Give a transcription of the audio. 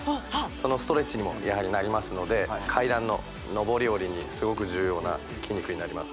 そのストレッチにもやはりなりますので階段の上り下りにすごく重要な筋肉になります